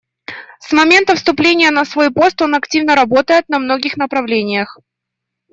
С момента вступления на свой пост он активно работает на многих направлениях.